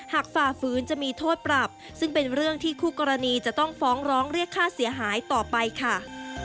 ฝ่าฝืนจะมีโทษปรับซึ่งเป็นเรื่องที่คู่กรณีจะต้องฟ้องร้องเรียกค่าเสียหายต่อไปค่ะ